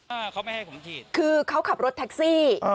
อ่าเขาไม่ให้ผมขีดคือเขาขับรถแท็กซี่